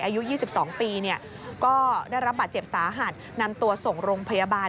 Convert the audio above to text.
อายุ๒๒ปีก็ได้รับบาดเจ็บสาหัสนำตัวส่งโรงพยาบาล